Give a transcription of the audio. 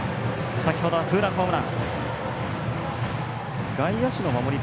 先ほどはツーランホームラン。